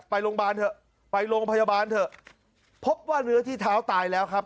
ไปโรงพยาบาลเถอะไปโรงพยาบาลเถอะพบว่าเนื้อที่เท้าตายแล้วครับ